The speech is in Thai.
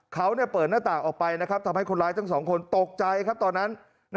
เขาเปิดหน้าต่างออกไปทำให้คนร้ายทั้งสองคนตกใจครับตอนนั้น